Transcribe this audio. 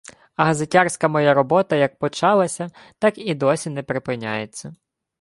А газетярська моя робота як почалася, так і досі не припиняється.